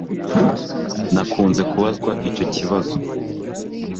Nakunze kubazwa icyo kibazo